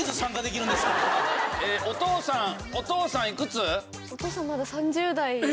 お父さんお父さんいくつ？